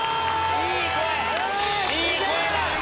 いい声だ。